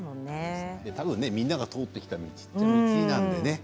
みんなが通ってきた道なのでね。